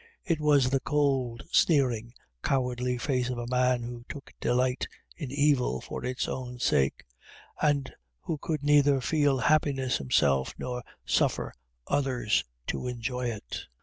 It was the cold, sneering, cowardly face of a man who took delight in evil for its own sake, and who could neither feel happiness himself, nor suffer others to enjoy it.